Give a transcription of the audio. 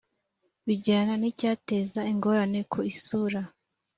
bijyana n icyateza ingorane ku isura